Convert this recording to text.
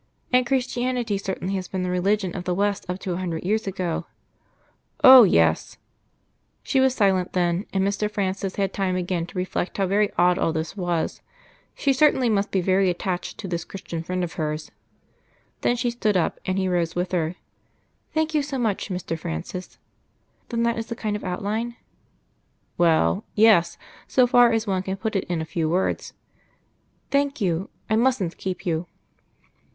"And Christianity certainly has been the Religion of the West up to a hundred years ago?" "Oh! yes." She was silent then, and Mr. Francis had time again to reflect how very odd all this was. She certainly must be very much attached to this Christian friend of hers. Then she stood up, and he rose with her. "Thank you so much, Mr. Francis.... Then that is the kind of outline?" "Well, yes; so far as one can put it in a few words." "Thank you.... I mustn't keep you."